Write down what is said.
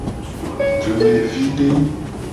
Dumevide.